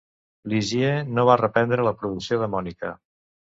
Ligier no va reprendre la producció de Monica.